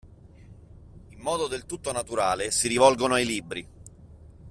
In modo del tutto naturale si rivolgono ai libri.